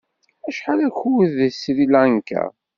Acḥal akud deg Sri Lanka?